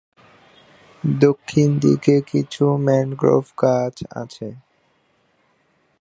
দক্ষিণ দিকে কিছু ম্যানগ্রোভ গাছ আছে।